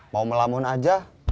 mau melamun aja